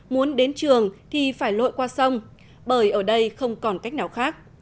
muốn đến trường thì phải lội qua sông bởi ở đây không còn cách nào khác